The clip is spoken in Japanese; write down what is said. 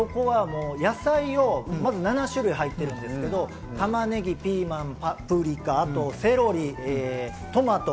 野菜はまず７種類入ってるんですけど、玉ねぎ、ピーマン、パプリカ、あとセロリ、トマト。